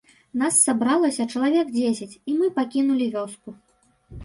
Нас сабралася чалавек дзесяць, і мы пакінулі вёску.